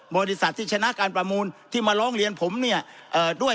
บริษัทที่ชนะการประมูลที่มาร้องเรียนผมด้วย